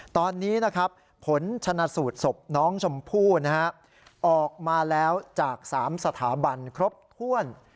ตอนนี้นะครับผลชนะสูตรศพน้องชมพู่ออกมาแล้วจาก๓สถาบันครบถ้วน